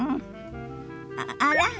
あら？